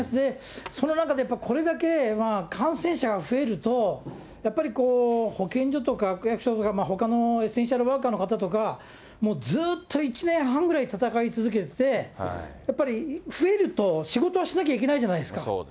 その中でこれだけ感染者が増えると、やっぱりこう、保健所とか区役所とか、ほかのエッセンシャルワーカーの方とか、もうずっと１年半ぐらい戦い続けてて、増えると、仕事はしなきゃいけないじゃないですか。